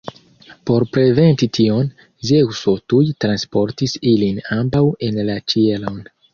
Por preventi tion, Zeŭso tuj transportis ilin ambaŭ en la ĉielon.